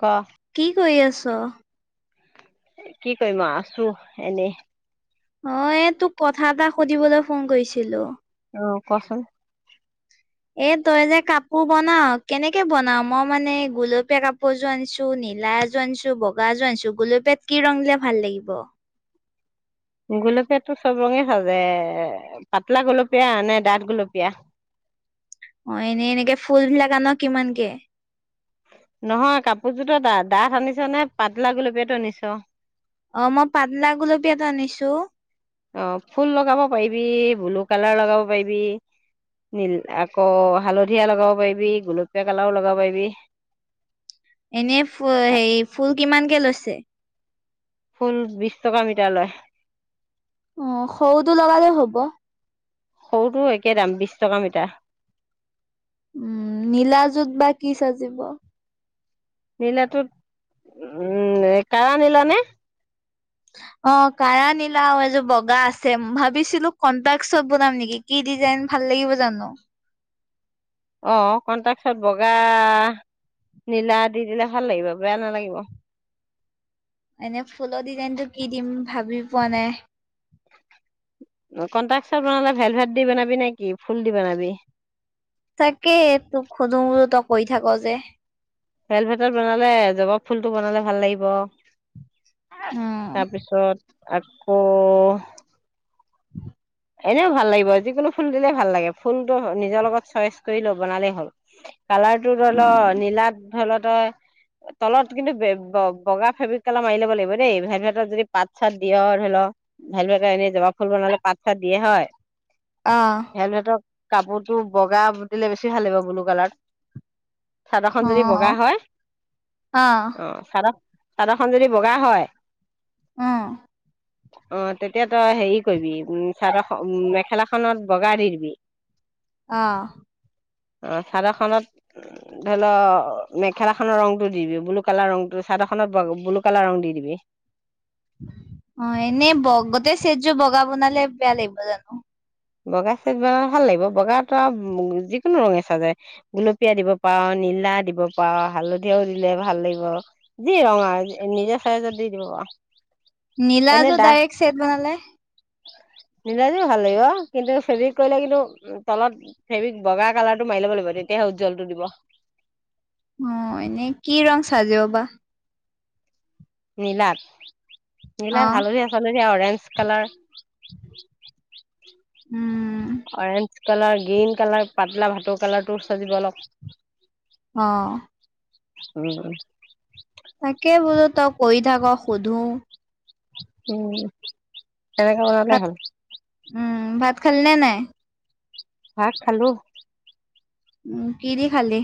ক। কি কৰি আছ। কি কৰিম আ আছো এনেই। অ এই তোক কথা এটা সুধিবলৈ ফোন কৰিছিলো অ কচোন। এ তই যে কাপোৰ বনাৱ কেনেকে বনাও মই মানে গুলপীয়া কাপোৰযোৰ আনিছো। নীলা এযোৰ আনিছো। বগা এযোৰ আনিছো গুলপীয়াত কি ৰং দিলে ভাল লাগিব। গুলপীয়াতটো চব ৰঙে সাজে পাতলা গুলপীয়া নে দাঠ গুলপীয়া। অ এনেই এনেকে ফুল বিলাক আন কিমানকে। নহয় কাপোৰযোৰতো এটা ডাঠ আনিছ নে পাতলা গুলপীয়াটো আনিছ। অ মই পাতলা গুলপীয়াটো আনিছো। অ ফুল লগাব পাৰিবি ব্লু কালাৰ লগাব পাৰিবি। নীল আকৌ হালধীয়া লগাব পাৰিবি। গুলপীয়া কালাৰো লগাব পাৰিবি। এনেই ফ হেৰি ফুল কিমান। কে লৈছে। ফুল বিশ টকা মিটাৰ লয়। অ সৰুটো লগালেও হ'ব। সৰুটোৰো একে দাম বিশ টকা মিটাৰ। উম নীলা যোৰত বা কি চাজিব। নীলাটো উম কাৰা নীলা নে। অ কাৰা নীলাও এযোৰ বগা আছে ভাবিছিলো কন্ট্ৰাক্সত বনাম নেকি কি ডিজাইন ভাল লাগিব জানো। অ কণ্টাক্সত বগা নীলা দি দিলে ভাল লাগিব বেয়া নালাগিব। এনেই ফুলৰ ডিজাইনটো কি দিম ভাবি পোৱা নাই। কণ্টাকসত বনালে ভেল ভাত দি বনাবি নে কি ফুল দি বনাবি। তাকে তোক সোধো বোলো তই কৰি থাক যে। ভেল ভেতত বনালে জবাব ফুলটো বনালে ভাল লাগিব। উম তাৰপিছত। আকৌ। [unintelligible] এনেও ভাল লাগিব যিকোনো ফুল দিলে ভাল লাগে ফুলটো নিজৰ লগত চইচ কৰি লৈ বনালেই হ'ল। কালাৰটো ধৰিল উম নীলাত ধৰি ল। তলত কিন্তু বগা ফেব্ৰিক কালাৰ মাৰি ল'ব লাগিব দেই। ভেল ভটত যদি পাত চাত দিয় ধৰি লওক ভেল ভেতৰ এনে জবা ফুল বনালে পাত। দিয়ে হয়। অ। ভেলভেটৰ কাপোৰটো বগা বুতিলে বেছি ভাল লাগিব ব্লু কালাৰত। চাদৰখন অ যদি বগা হয় অ চাদৰ। চাদৰখন যদি বগা হয়। অ'হ। অ তেতিয়া তই হেৰি কৰিবি উ। চাৰ উ মেখেলা খনত বগা দিদিবি আহ অ চাদৰখনত ধৰি ল মেখেলাখনৰ ৰংটো দি দিবি ব্লু কালাৰ ৰংটো চাদৰখনত ব্লু কালাৰ ৰং দি দিবি অ এনেই গোটেই চেটযোৰ বগা বনালে বেয়া লাগিব জানো বগা চাইজ বাৰু ভাল লাগিব। বগাত আৰু যিকোনো ৰঙে চাজে গুলপীয়া দিব পাৰ, নীলা দিব পাৰ, হালধিও দিলে ভাল লাগিব। যি ৰঙ আৰু নিজা চাইজত দি দিব। নীলা এনে যোৰ ডাঠ ডাইৰেক্ট চেট বনালে নীলাযোৰ ভাল লাগিব। কিন্তু ফেব্ৰিক কৰিলে কিন্তু তলত ফেব্ৰিক বগা কালাৰটো মাৰি লিব লাগিব তেতিয়াহে উজ্জ্বলটো দিব অ এনে কি ৰং চাজিব বা? নীলাত? অ নীলাত হালধীয়া চাজে orange colour [unintelligible] [unintelligible] orange colour, green colour, পাতলা ভাটৌ কালাৰটো চাজিব অলপ অ উম তাকে বোলো তই কৰি থাক সোধো উম এনেকে বনালে ভাত হ'ল উম ভাত খালনে নাই? ভাত খালো। উম কি দি খালি?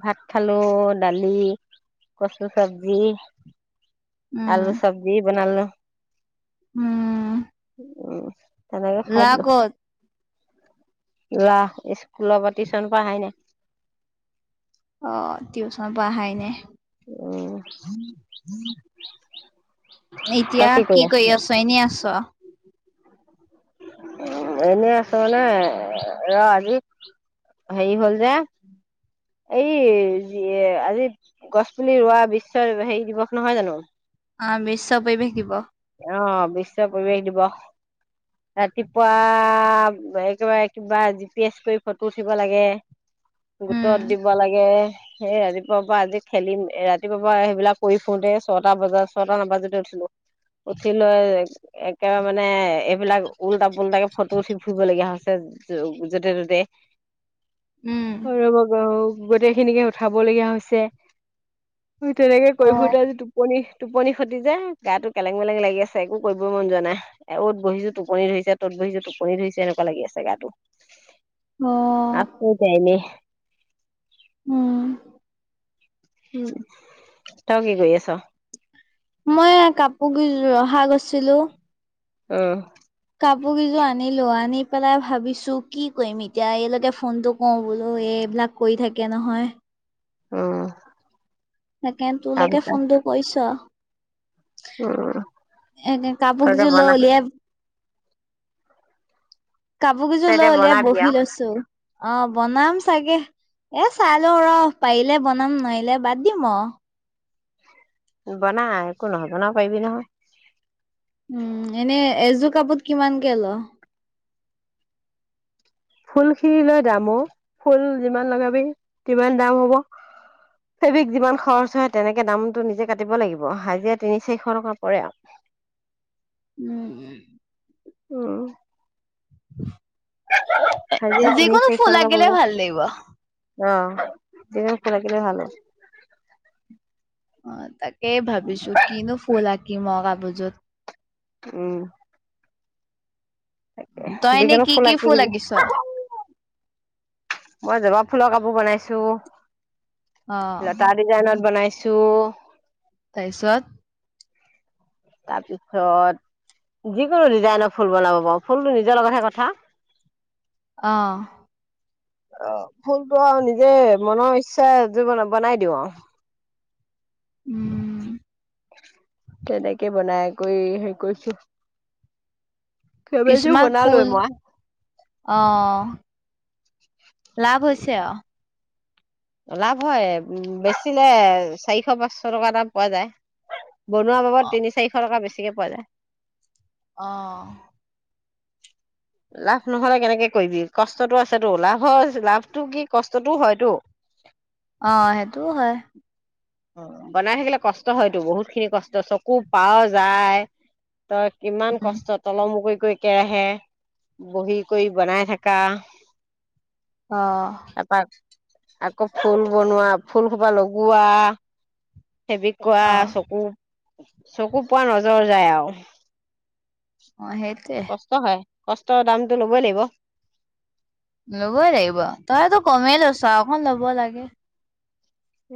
ভাত খালো দালি, কচু চবজি, উম আলু চবজি বনালো। উম উম তেনেকে খাই ল'ৰা দিলো। ক'ত ল'ৰা স্কুলৰ পৰা, টিউচন পৰা অহাই নাই। অ টিউচনৰ পৰা আহাই নাই। উম এতিয়া কি কৰি আছো? এনেই আছো আৰু এনে আছো মানে, ৰ আজি হেৰি হ'ল যে এই আজি গছ পুলি ৰোৱা বিশ্ব হেৰি দিৱস নহয় জানো? অ বিশ্ব পৰিৱেশ দিৱস। অ বিশ্ব পৰিৱেশ দিৱস। ৰাতিপুৱা একেবাৰে কিবা জি পি এছ কৰি ফটো উঠিব লাগে ফটো উম দিব লাগে। সেই ৰাতিপুৱাৰ পৰা আজি খেলিম ৰাতিপুৱাৰ পৰা সেইবিলাক কৰি ফুৰতে ছটা বজাত ছটা নবজাতে উঠিলো। উঠি লৈ একেবাৰে মানে এইবিলাক উল্টা পোল্টাকে ফটো উঠি ফুৰিবলগীয়া হৈছে যতে ততে, উম হয় ৰব গোটেইখিনিকে উঠাবলগীয়া হৈছে তেনেকে অ কৰি ফুৰোঁতে আজি টোপনি টোপনি খতি যে গাটো কেলেং-মেলেং লাগি আছে। একো কৰিবই মন যোৱা নাই। অত বহিছো টোপনি ধৰিছে, ত'ত বহিছো টোপনি ধৰিছে এনেকুৱা লাগি আছে গাটো। অ [unintelligible] উম। উম। তই কি কৰি আছ? মই কাপোৰ ৰহা গৈছিলো অ' কাপোৰ কিইযোৰ আনিলো আনি পেলাই ভাবিছো কি কৰিম এতিয়া, এইলৈকে ফোনটো কও বোলো এই এইবিলাক কৰি থাকে নহয়। অ' তাকে তোলৈকে ফোনটো কৰিছো আও উম এনে তই কাপোৰ এতিয়া কিযো লৈ বনা ওলিয়াই কাপোৰ কিযোৰ তই লৈ এতিয়া উলিয়াই বনাবি বহি আও লৈছো অ বনাম চাগে, এ চাই লও ৰহ পাৰিলে বনাম নোৱাৰিলে বাদ দিম অ বনা একো নহয়, বনাব পাৰিবি নহয় উম এনে এযো কাপত কিমানকে ল'? ফুলখিনি লৈ দাম অ', ফুল যিমান লগাবি সিমান দাম হব, ফেব্ৰিক যিমান খৰচ হয় তেনেকে দামতটো নিজে কাটিব লাগিব আও। হাজিৰা তিনি চাৰিশ টকা পৰে আৰ উম, উম উ চ [unintelligible] যিকোনো ফুল আকিলেই ভাল লাগিব অ' যিকোনো ফুল আকিলেই ভাল হ'ব। অ' তাক কেই ভাবিছো কিনো ফুল আঁকিম আও কাপোযোত উম তই এনে যিকোনো কি কি আঁকি ফুল দিবি আঁকিছ? মই জবা ফুলৰ কাপোৰ বনাইছো অ', লতা ডিজাইনত বনাইছো তাৰপিছত তাৰপিছত যিকোনো ডিজাইনৰ ফুল বনাব পাৰো ফুলটো নিজৰ লগতহে কথা অ' অ ফুলটো আও নিজে মনৰ ইচ্ছাৰে যি বনে বনাই দিওঁ চ উম, [unintelligible] তেনেকে বনাই কৰি হেৰি কৰিছো কেবেযোও কিছুমান বনলো ফুল এ মই অ' লাভ হৈছে আও লাভ হয় বেচিলে চাৰিশ-পাঁচশ টকা এটা পোৱা যায় বনোৱা বাবত তিনি-চাৰিশ টকা বেছি কে পোৱা যায় অ' লাভ নহ'লে কেনেকে কৰিবি? কষ্টতো আছেতো, লাভ হয়, লাভটো কি কষ্টতোও হয়তো অ', সেইটোও হয় অ', বনাই থাকিলে কষ্ট হয়তো, বহুত খিনি কষ্ট চকু পাৱা যায় তই কিমান উম, কষ্ট ত'ল মু কই [unintelligible] বহি কৰি, বনাই থাকা। অ'। তাৰপা আকৌ ফুল বনোৱা, ফুল সোপা লগোৱা। ফেব্ৰিক কৰা অ'। চকু চকু পোৱা নজৰ যায় আৰু অ, সেইটোৱে কষ্ট হয় কষ্টৰ দামটো ল'বই লাগিব। ল'বই লাগিব। তইতো কমেই লৈছ, আৰু অকন ল'ব লাগে।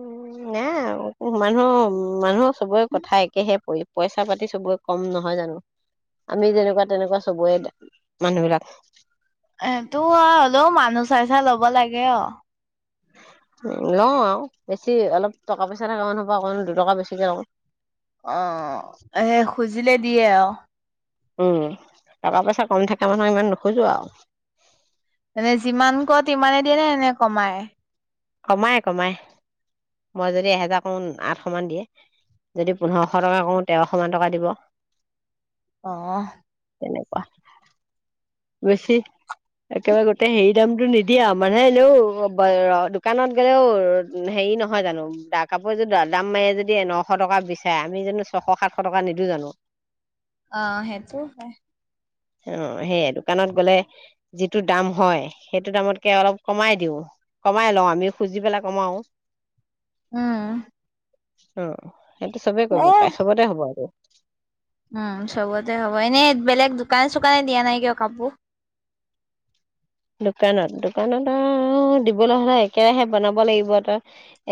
উ নাই, মানুহৰ- মানুহৰ চবৰে কথা একেহে, প-পইচা পাতি চবৰে কম নহয় জানো, আমি যেনেকুৱা তেনেকুৱা চবৰে মানুহ বিলাক। এ তো আও হ'লেও মানুহ চাই চাই লব লাগে আও। লওঁ আও, বেছি অলপ টকা পইচা থাকা মানুহৰপা‌ অকন দুটকা বেছিকে লওঁ। অ', এই খুজিলে দিয়ে আৰু? উম, টকা পইচা কম থাকা মানুহক ইমান নোখোজো আও মানে যিমান কৱ তিমানে দিয়ে, নে কমাই? কমাই, কমাই। মই যদি এহেজাৰ কওঁ আঠশ মান দিয়ে। যদি পোন্ধৰশ টকা কওঁ, তেৰশ মান টকা দিব। অ'হ তেনেকুৱা। বেছি, একেবাৰে গোটেই হেই দামটো নিদিয়ে আও। মানুহে এনেও দোকানত গ'লেও হেৰি নহয় জানো, কাপোৰ যদি দাম মাৰি যদি নশ টকা বিচাৰে আমি জানো ছশ সাতশ টকা নিদো জানো? অ', সেইটো হয়। অ, সেয়াই দোকানত গলে যিটো দাম হয়, সেইটো দামতকে অলপ কমাই দিওঁ, কমাই লওঁ আমি খুজি পেলাই কমাও। উম অ' সেইটো চবেই এ কৰিব পাৰে, চবতে হ'ব সেইটো। উম, চবতে হ'ব। এনেই বেলেগ দোকানে চোকানে দিয়া নাই কিয় কাপোৰ? দোকানত দোকানত আও দিবলৈ হ'লে একেৰাহে বনাব লাগিব তই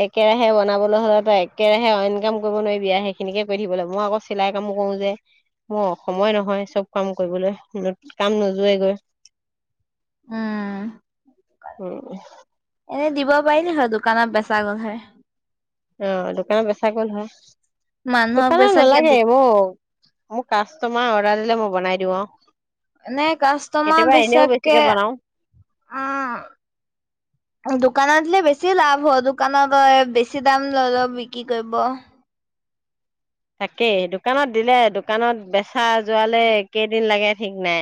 একেৰাহে বনাবলৈ হ'লে তই একেৰাহে অইনকাম কৰিব নোৱাৰিবি সেইখিনিকে কৰি থাকিব লাগিব। মই আকৌ চিলাই কামো কৰো যে মোৰ সময় নহয় চব কাম কৰিবলৈ কাম নোযোৱেগৈ। উম। উম। এনেই দিব পাৰিলি হয় দোকানত বেচা গ'ল হয়। অ' দোকানত বেচা গ'ল হয়। মানুহক দোকানত বেচাকে নালাগে মোক মোক কাষ্টমাৰ অৰ্ডাৰ দিলে মোক বনাই দিও আও। নে কাষ্টমাৰ বেচাকে বেছিকে বনাও উ দোকানত বেছি লাভ হয় দোকানত বেছি দাম লৈ লৈ বিক্ৰী কৰিব। তাকেই দোকানত দিলে দোকানত বেচা যোৱালে কেইদিন লাগে ঠিক নাই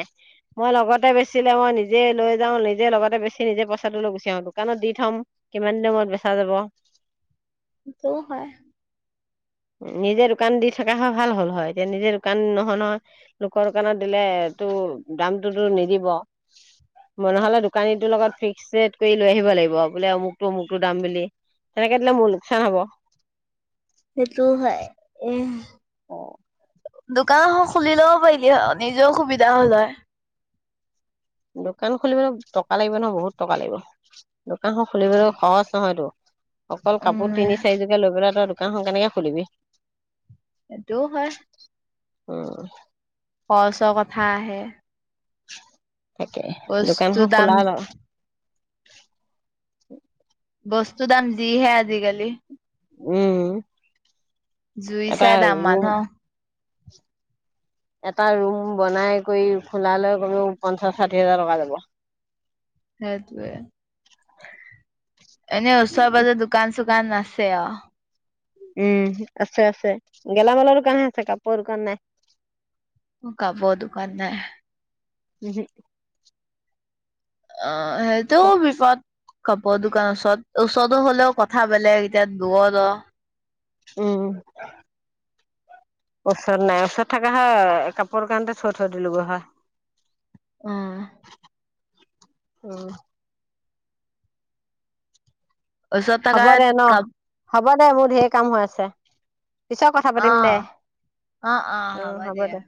মই লগতে বেচিলে মই নিজে লৈ যাওঁ নিজে লগতে বেচি নিজে পইচাটো লৈ গুচি আহো দোকানত দি থম কিমান দিনৰ মূৰত বেচা যাব। সেইটোৱো হয়। নিজে দোকান দি থকা হয় ভাল হল হয়। এতিয়া নিজে দোকান নহয় নহয়, লোকৰ দোকানত দিলে তো দামটোতো নিদিব মই নহলে দোকানীটোৰ লগত ফিক্স ৰেট কৰি লৈ আহিব লাগিব বোলে অমুকটো- অমুকটো দাম বুলি তেনেকে দিলে মোৰ লোকচান হব। সেইটো হয় এ', - অ', দোকান এখন খুলি লব পাৰিলি হয় নিজেও সুবিধা হল হয়। দোকান খুলিবলৈ টকা লাগিব নহয় বহুত টকা লাগিব। দোকান খন খুলিবলৈ সহজ নহয়তো। অকল কাপোৰ উম তিনি- চৰিযোৰকে লৈ পেলাই তই দোকান, দোকানখন কেনেকে খোলিবি? হেইটো হয়। উম, খৰচৰ কথা আহে। তাকে দোকান বস্তু খন দাম খোলাই লওঁ। [inaudible] বস্তু দাম যিহে আজিকালি। উম, জুই এটা চাই দাম ৰুম মানুহ এটা ৰুম বনাই কৰি খোলা লৈ কমেও পঞ্চাশ - ষাঠি হাজাৰ টকা যাব। সেইটোৱে এনেই ওচৰে- পাজৰ দোকান চুকান আছে আৰু। উম ', আছে আছে। গেলামালৰ দোকানো আছে কাপোৰৰ দোকান নাই। অ' কাপোৰৰ দোকান নাই। উহহু, অ', সেইটো বিপদ কব দোকানৰ ওচৰত। ওচৰতো হলেও কথা বেলেগ। এতিয়া দূৰৰত অ', উম, ওচৰত নাই ওচৰত থাকা হয় কাপোৰ কাৰণতে থৈ থৈ দিলো হয়। অ', উম, ওচৰত হ'ব থকা দে ন কাপ ', হ'ব দে, মোৰ ঢেৰ কাম হৈ আছে। পিছত কথা অ পাতিম দে। উম্ হ'ব দে।